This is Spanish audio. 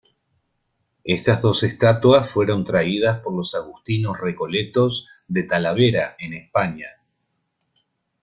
Estas dos estatuas fueron traídas por los agustinos recoletos de Talavera, en España.